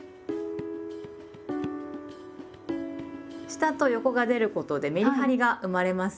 下と横が出ることでメリハリが生まれますよね。